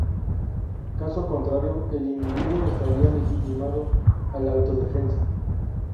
Caso contrario el individuo estaría legitimado a la autodefensa.